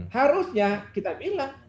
harusnya kita bilang